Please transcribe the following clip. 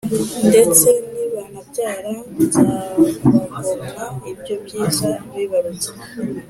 Ndetse nibanabyara, nzabagomwa ibyo byiza bibarutse.